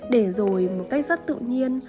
để rồi một cách rất tự nhiên